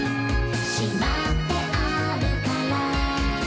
「しまってあるから」